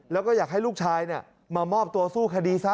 แล้วก็อยากให้ลูกชายมามอบตัวสู้คดีซะ